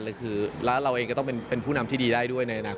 คือแล้วเราเองก็ต้องเป็นผู้นำที่ดีได้ด้วยในอนาคต